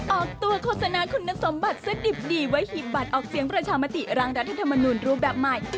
ออกตัวโฆษณาคุณสมบัติซะดิบดีไว้หีบบัตรออกเสียงประชามติร่างรัฐธรรมนูลรูปแบบใหม่